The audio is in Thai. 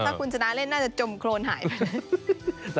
ถ้าคุณชนะเล่นน่าจะจมโครนหายไปเลย